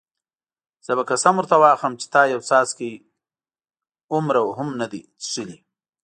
زه به قسم ورته واخلم چې تا یو څاڅکی هومره هم نه دی څښلی.